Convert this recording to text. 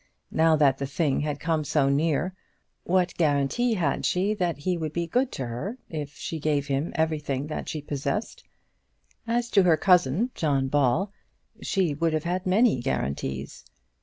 Now that the thing had come so near, what guarantee had she that he would be good to her if she gave him everything that she possessed? As to her cousin John Ball, she would have had many guarantees.